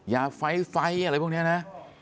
ยาไฟไฟอะไรพวกนี้นะ